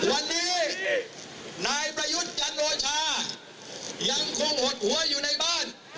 วันนี้นายประยุทธ์จันโอชายังคงหดหัวอยู่ในบ้าน